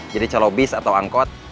jadi celobis atau angkot